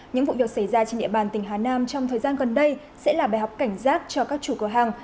những vụ việc xảy ra trên địa bàn tỉnh hà nam trong thời gian gần đây sẽ là bài học cảnh giác cho các chủ cửa hàng